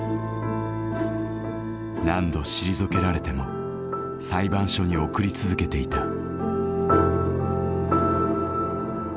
何度退けられても裁判所に送り続けていた。